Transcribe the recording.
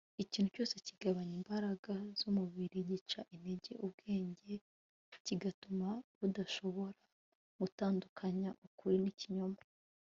ikintu cyose kigabanya imbaraga z'umubiri gica intege ubwenge kigatuma budashobora gutandukanya ukuri n'ikinyoma